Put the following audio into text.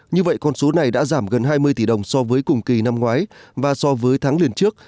như vậy con số này đã giảm gần hai mươi tỷ đồng so với cùng kỳ năm ngoái và so với tháng liền trước